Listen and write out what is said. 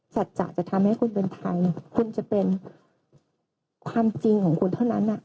สัจจะจะทำให้คุณเป็นไทยคุณจะเป็นความจริงของคุณเท่านั้น